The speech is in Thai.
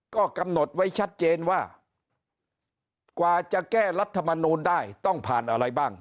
ก็กำหนดไว้ชัดเจนว่ากว่าจะแก้รัฐมนูลได้ต้องผ่านอะไรบ้าง